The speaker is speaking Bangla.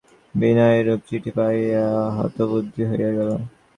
বিনয় এরূপ চিঠি পাইয়া হতবুদ্ধি হইয়া গেল।